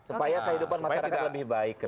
supaya kehidupan masyarakat lebih baik